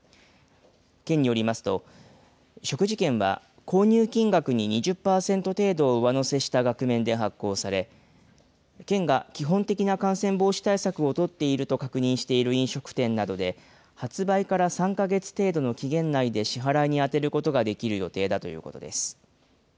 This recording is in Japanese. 県によりますと、食事券は購入金額に２０％程度を上乗せした額面で発行され、県が基本的な感染防止対策を取っていると確認している飲食店などで、発売から３か月程度の期限内で支払いに充てることができる予定だということです。